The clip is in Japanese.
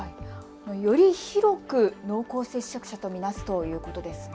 より広く濃厚接触者と見なすということですね。